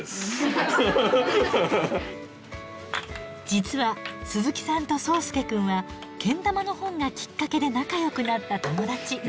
実は鈴木さんと想亮くんはけん玉の本がきっかけで仲よくなった友達。